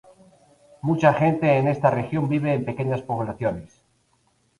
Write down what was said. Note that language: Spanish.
Mucha gente en esta región vive en pequeñas poblaciones.